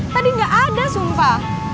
tadi gak ada sumpah